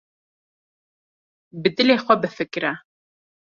Bi dilê xwe bifikre.